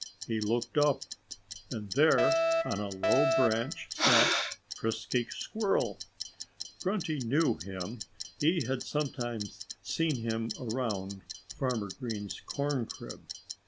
He looked up. And there on a low branch sat Frisky Squirrel. Grunty knew him; he had sometimes seen him around Farmer Green's corncrib.